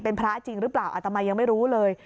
เป็นพระจริงหรือเปล่าอัตมายังไม่รู้เลย